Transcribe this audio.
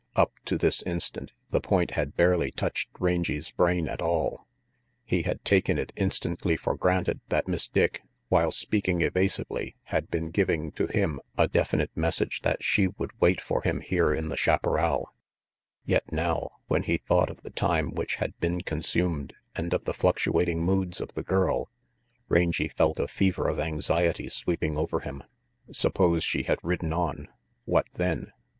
Up to this instant the point had barely touched Rangy's brain at all. He had taken it instantly for granted that Miss Dick, while speaking evasively, had been giving to him a definite message that she would wait for him here in the chaparral; yet now, when he thought of the time which had been consumed and of the fluctuating moods of the girl, Rangy felt a fever of anxiety sweeping over him. Suppose she had ridden on; what then?